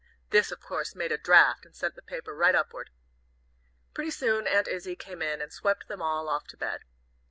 This, of course, made a draft, and sent the paper right upward. Pretty soon Aunt Izzie came in and swept them all off to bed.